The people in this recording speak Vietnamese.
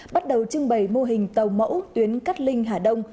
bắt đầu trưng bày mô hình tàu mẫu tuyến cát linh hà đông